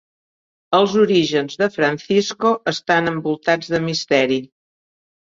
Els orígens de Francisco estan envoltats de misteri.